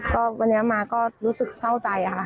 ก็วันนี้มาก็รู้สึกเศร้าใจค่ะ